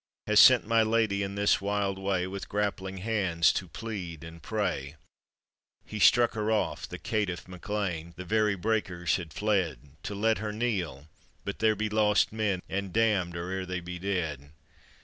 Has sent my lady in this wild way With grappling hands to plead and to pray? POETRY ON OR ABOUT THE MACLBABI/ 148 He struck her off, the caitiff MacLean — The very breakers had fled To let her kneel — but there be lost men And damned or ere they be dead.